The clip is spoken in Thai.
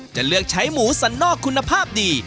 จะเลือกใช้หมูสันนอกคุณภาพดี